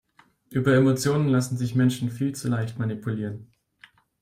Über Emotionen lassen sich Menschen viel zu leicht manipulieren.